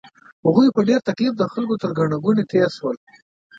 هغوی په ډېر تکلیف د خلکو تر ګڼې ګوڼې تېر شول.